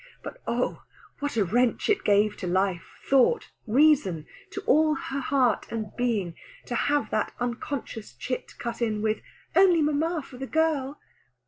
But oh, what a wrench it gave to life, thought, reason, to all her heart and being, to have that unconscious chit cut in with "only mamma for the girl!"